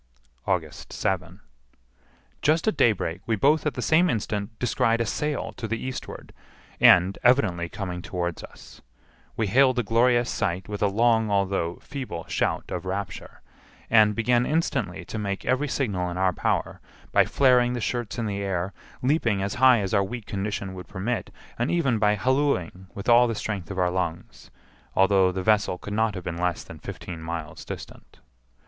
August 7. Just at daybreak we both at the same instant descried a sail to the eastward, and evidently coming towards us! We hailed the glorious sight with a long, although feeble shout of rapture; and began instantly to make every signal in our power, by flaring the shirts in the air, leaping as high as our weak condition would permit, and even by hallooing with all the strength of our lungs, although the vessel could not have been less than fifteen miles distant.